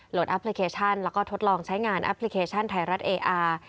แอปพลิเคชันแล้วก็ทดลองใช้งานแอปพลิเคชันไทยรัฐเออาร์